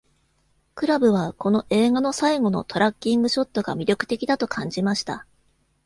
クラブは、この映画の最後のトラッキングショットが魅力的だと感じました。